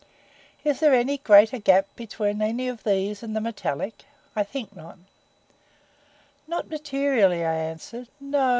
"Is there any greater gap between any of these and the metallic? I think not." "Not materially," I answered. "No.